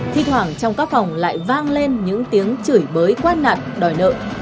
thi thoảng trong các phòng lại vang lên những tiếng chửi bới quát nạn đòi nợ